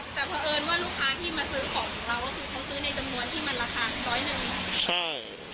ก็คือเขาซื้อในจำนวนที่มันราคาร้อยหนึ่ง